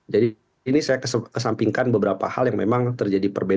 jadi ini saya kesampingkan beberapa hal yang memang terjadi perbedaan